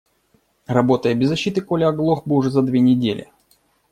Работая без защиты, Коля оглох бы уже за две недели.